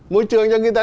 môi trường cho người ta